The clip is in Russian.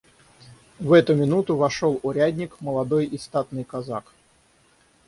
В эту минуту вошел урядник, молодой и статный казак.